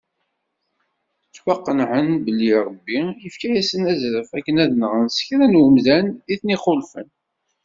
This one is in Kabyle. Ttwaqenɛen belli Ṛebbi yefka-asen azref akken ad nɣen sekra n umdan iten-ixulfen.